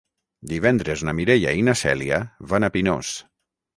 Divendres na Mireia i na Cèlia van a Pinós.